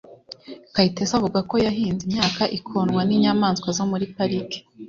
Kayitesi avuga ko yahinze imyaka ikonwa n’inyamaswa zo muri Pariki